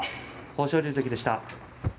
豊昇龍関でした。